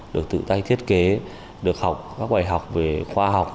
được tự tay thiết kế được học các bài học về khoa học